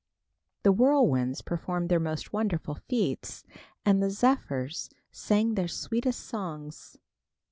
The whirlwinds performed their most wonderful feats, and the zephyrs sang their sweetest songs.